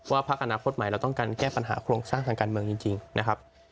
พักอนาคตใหม่เราต้องการแก้ปัญหาโครงสร้างทางการเมืองจริงนะครับ